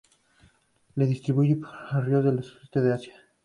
Se distribuyen por ríos del sudeste de Asia.